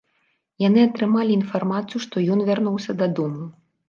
Яны атрымалі інфармацыю, што ён вярнуўся дадому.